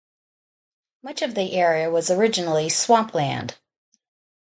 Much of the area was originally swampland.